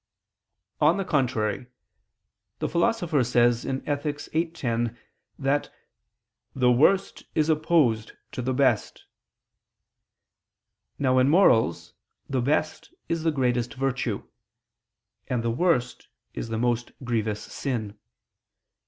On the contrary, The Philosopher says (Ethic. 8:10) that the "worst is opposed to the best." Now in morals the best is the greatest virtue; and the worst is the most grievous sin.